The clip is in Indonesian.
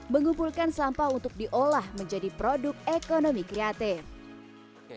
mengumpulkan sampah untuk diolah menjadi produk ekonomi kreatif